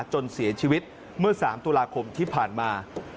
จนเสียชีวิตเมื่อ๓ตุลาคมที่ผ่านมา